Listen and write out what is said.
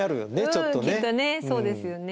きっとねそうですよね。